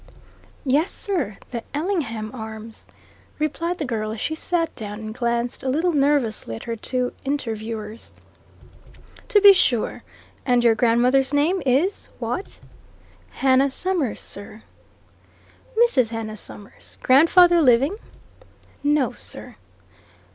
"Yes, sir, the Ellingham Arms," replied the girl as she sat down and glanced a little nervously at her two interviewers. "To be sure. And your grandmother's name is what?" "Hannah Summers, sir." "Mrs. Hannah Summers. Grandfather living?" "No, sir."